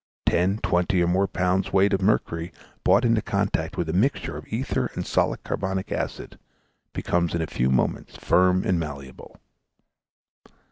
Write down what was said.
Ten, twenty, or more pounds weight of mercury, brought into contact with a mixture of ether and solid carbonic acid, becomes in a few moments firm and malleable.